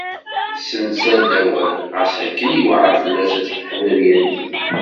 Tessensar-d awal awal ɣas akken yuɛer fell-as ad d-teḥku tadyant-is.